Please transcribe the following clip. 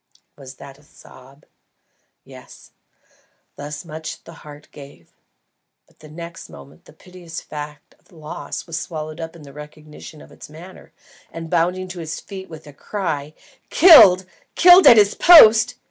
Was that a sob? Yes; thus much the heart gave; but next moment the piteous fact of loss was swallowed up in the recognition of its manner, and, bounding to his feet with the cry, "Killed! Killed at his post!"